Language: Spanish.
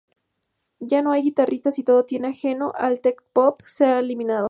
Ya no hay guitarras y todo tinte ajeno al tecno-pop se ha eliminado.